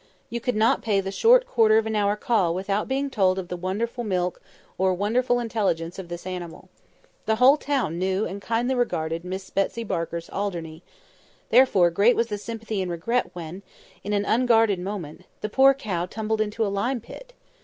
You could not pay the short quarter of an hour call without being told of the wonderful milk or wonderful intelligence of this animal. The whole town knew and kindly regarded Miss Betsy Barker's Alderney; therefore great was the sympathy and regret when, in an unguarded moment, the poor cow tumbled into a lime pit.